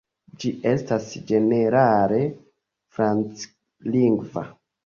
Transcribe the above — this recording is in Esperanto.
Ĝi estas ĝenerale franclingva.